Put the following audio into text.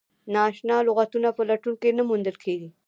نا اشنا لغتونه په لټون کې نه موندل کیږي.